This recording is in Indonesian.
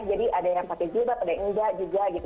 jadi ada yang pakai jubah ada yang enggak jubah gitu